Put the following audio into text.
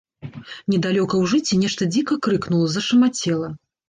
Недалёка ў жыце нешта дзіка крыкнула, зашамацела.